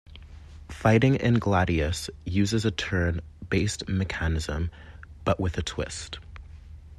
Fighting in "Gladius" uses a turn-based mechanism, but with a twist.